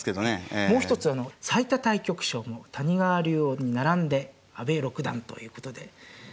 もう一つ最多対局賞も谷川竜王に並んで阿部六段ということで。